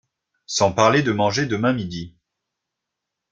Sans parler de manger demain midi.